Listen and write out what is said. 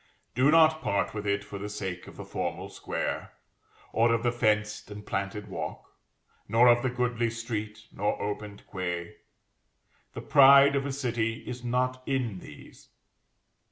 Do not part with it for the sake of the formal square, or of the fenced and planted walk, nor of the goodly street nor opened quay. The pride of a city is not in these.